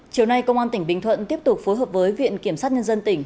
chiều nay công an tỉnh bình thuận tiếp tục phối hợp với viện kiểm sát nhân dân tỉnh